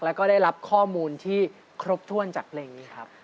แล้วก็ได้รับข้อมูลที่ครบถ้วนจากเพลงนี้ครับ